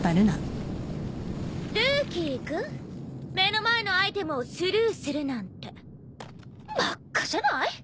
ルーキー君目の前のアイテムをスルーするなんてバッカじゃない？